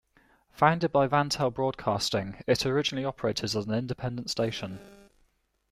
Founded by Vantel Broadcasting, it originally operated as an independent station.